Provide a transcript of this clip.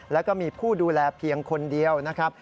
แล้วก็มีผู้ดูแลเพียงคนเดียวนะครับ